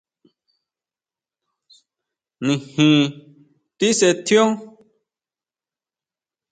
Nijin tesetjio.